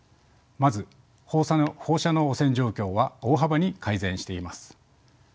まず放射能汚染状況は大幅に改善しています。